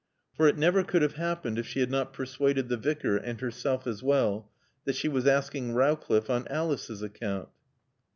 For it never could have happened if she had not persuaded the Vicar (and herself as well) that she was asking Rowcliffe on Alice's account.